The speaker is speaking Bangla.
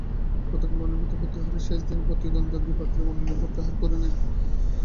গতকাল মনোনয়নপত্র প্রত্যাহারের শেষ দিনে প্রতিদ্বন্দ্বী দুই প্রার্থী মনোনয়নপত্র প্রত্যাহার করে নেন।